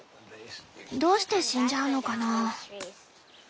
どうして死んじゃうのかな？